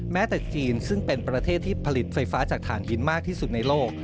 แม้แต่จีนซึ่งเป็นประเทศที่ผลิตไฟฟ้าจากฐานหินมากที่สุดในโลก